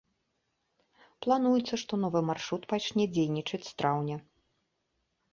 Плануецца, што новы маршрут пачне дзейнічаць з траўня.